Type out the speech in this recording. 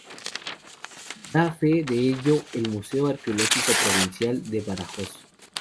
Da fe de ello, el Museo Arqueológico Provincial de Badajoz.